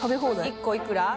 １個いくら？